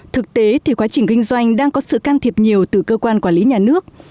thực tế thì quá trình kinh doanh đang có sự can thiệp nhiều từ cơ quan quản lý nhà nước